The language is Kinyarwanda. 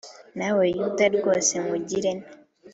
Nawe Yuda, rwose nkugire nte?